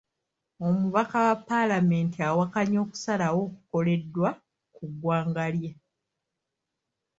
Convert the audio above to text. Omubaka wa paalamenti awakanya okusalawo okukoleddwa ku ggwanga lye.